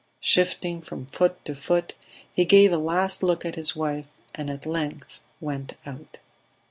Shifting from foot to foot, he gave a last look at his wife and at length went out.